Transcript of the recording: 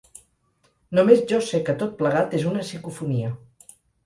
Només jo sé que tot plegat és una psicofonia.